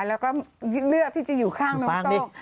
แล้วก็เลือกที่จะอยู่ข้างน้องโต้ง